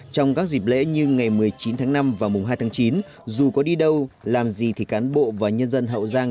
trong các dịp lễ như ngày một mươi chín tháng năm và mùng hai tháng chín dù có đi đâu làm gì thì cán bộ và nhân dân hậu giang